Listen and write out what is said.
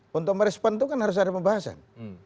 untuk merespon itu kan harus ada pembahasan